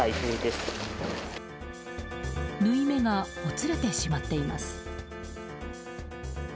縫い目がほつれてしまっています。